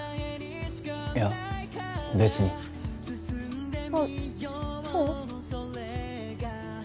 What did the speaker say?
いや別にあっそう？